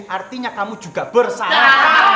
artinya kamu juga bersalah